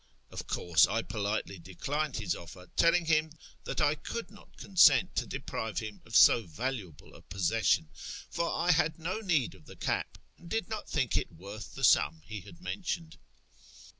Of course I politely declined his offer, telling him that I could not consent to deprive him of so valuable a possession ; for I had no need of the cap, and did not think it worth the sum he had mentioned.